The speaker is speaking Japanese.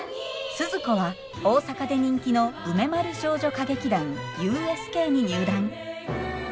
スズ子は大阪で人気の梅丸少女歌劇団ＵＳＫに入団。